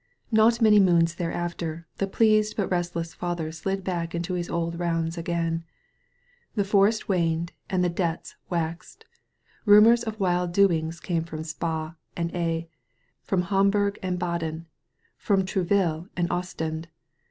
Not many moons thereafter the pleased but restless father sUd back into his old rounds again. The forest waned and the debts waxed. Rumors of wild doings came from Spa and Aix, from Hom burg and Baden, from Trouville and Ostend.